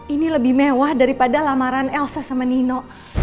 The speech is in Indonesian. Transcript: ini lebih mewah daripada lamaran elsa sama nino